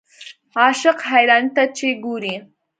عاشق حیرانۍ ته چې ګورې.